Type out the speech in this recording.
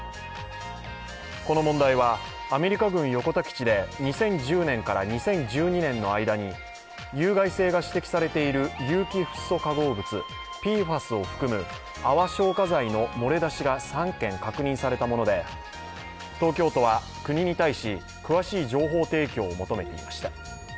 この問題はアメリカ軍横田基地で２０１０年から２０１２年の間に有害性が指摘されている有機フッ素化合物＝ＰＦＡＳを含む泡消火剤の漏れ出しが３件確認されたもので東京都は国に対し、詳しい情報提供を求めていました。